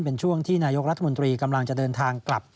เป็นช่วงที่นายกรัฐมนตรีกำลังจะเดินทางกลับ